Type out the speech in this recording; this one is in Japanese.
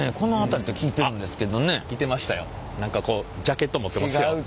何かこうジャケット持ってますよ。